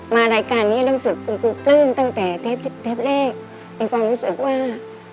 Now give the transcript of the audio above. มารายการนี้รู้สึกคุณครูปลื้มตั้งแต่เทปแรกมีความรู้สึกว่า